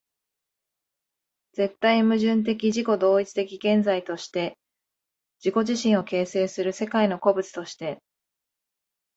絶対矛盾的自己同一的現在として自己自身を形成する世界の個物として、